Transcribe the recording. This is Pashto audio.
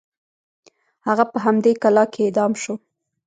هغه په همدې کلا کې اعدام شو.